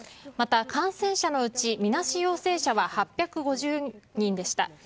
また、感染者のうちみなし陽性者は８５０人でした。